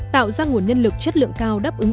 tạo ra nguồn nhân lực chất lượng cao đáp ứng